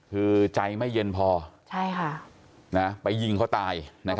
คือใจไม่เย็นพอไปยิงเขาตาย